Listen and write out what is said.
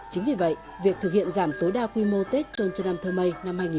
chính vì vậy việc thực hiện giảm tối đa quy mô tết trôn chân âm thơ mây hai nghìn hai mươi